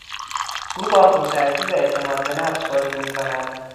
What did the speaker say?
او با خونسردی و اعتماد به نفس بازی میکند.